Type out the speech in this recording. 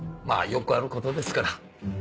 まあよくある事ですから。